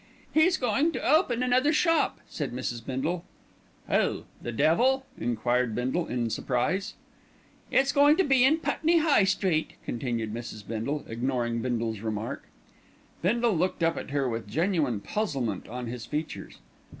"He's going to open another shop," said Mrs. Bindle. "Who, the devil?" enquired Bindle in surprise. "It's going to be in Putney High Street," continued Mrs. Bindle, ignoring Bindle's remark. Bindle looked up at her with genuine puzzlement on his features.